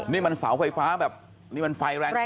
นี่มันเสาไฟฟ้าแบบนี้มันไฟแรง